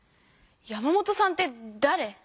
山本さんってだれ？